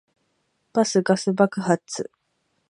バスガス爆発